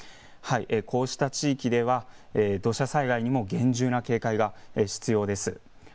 こうした地域では土砂災害にも厳重に警戒が必要です。